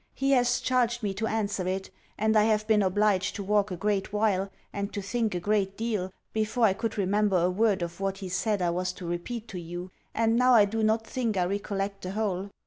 He has charged me to answer it, and I have been obliged to walk a great while, and to think a great deal, before I could remember a word of what he said I was to repeat to you; and now I do not think I recollect the whole.